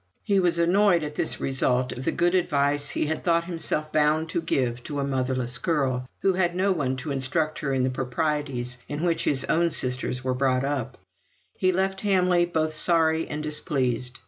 He was annoyed at this result of the good advice he had thought himself bound to give to a motherless girl, who had no one to instruct her in the proprieties in which his own sisters were brought up; he left Hamley both sorry and displeased.